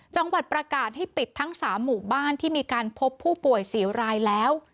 จังหวัดประกาศให้ปิดทั้ง๓หมู่บ้านที่มีการพบผู้ป่วย๔รายแล้ว